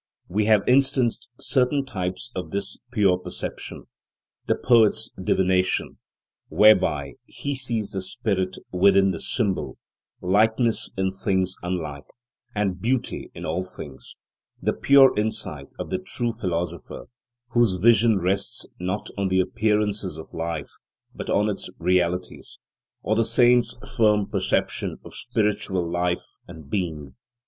We have instanced certain types of this pure perception: the poet's divination, whereby he sees the spirit within the symbol, likeness in things unlike, and beauty in all things; the pure insight of the true philosopher, whose vision rests not on the appearances of life, but on its realities; or the saint's firm perception of spiritual life and being.